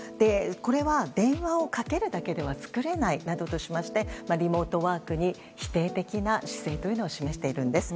これは電話をかけるだけでは作れないなどとしましてリモートワークに否定的な姿勢というのを示しているんです。